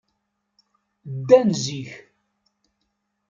Ddan zik.